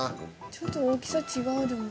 ちょっと大きさ違うでも。